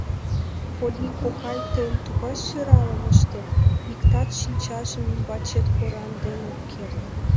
Полли кокай, тыйым тугай сӧралым ыштем, иктат шинчажым ӱмбачет кораҥден ок керт!